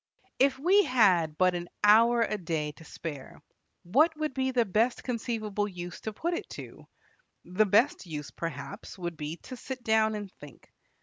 If we had but an hour a day to spare, what would be the best conceivable use to put it to? The best use, perhaps, would be to sit down and think.